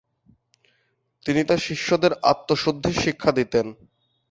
তিনি তাঁর শিষ্যদের আত্মশুদ্ধির শিক্ষা দিতেন।